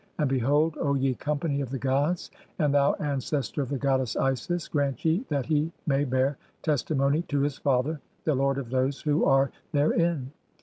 (7) And behold, O ye company 'of the gods, and thou ancestor of the goddess Isis, * grant ye 'that he may bear testimony to his father, the lord of those 'who are therein.